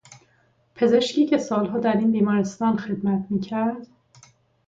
پزشکی که سالها در این بیمارستان خدمت میکرد